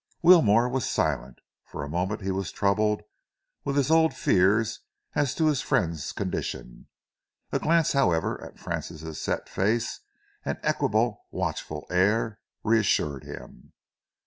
Wilmore was silent. For a moment he was troubled with his old fears as to his friend's condition. A glance, however, at Francis' set face and equable, watchful air, reassured him.